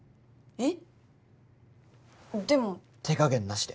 えっ？